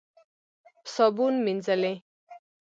په صابون مینځلې.